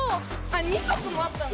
２足もあったの？